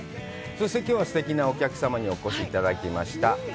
そして、きょうはすてきなお客様にお越しいただきました。